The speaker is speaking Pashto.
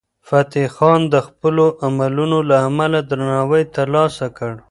فتح خان د خپلو عملونو له امله درناوی ترلاسه کړ.